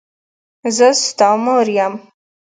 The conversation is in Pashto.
زه ستا مور یم.